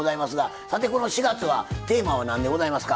さてこの４月はテーマは何でございますか？